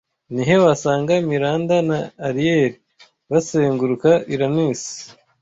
Ni he wasanga Miranda na Ariel bazenguruka Uranus